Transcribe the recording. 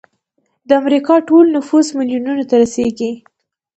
د امریکا ټول نفوس میلیونونو ته رسیږي.